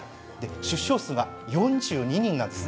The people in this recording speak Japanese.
出生数は４２人なんです。